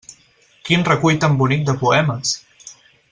Quin recull tan bonic de poemes!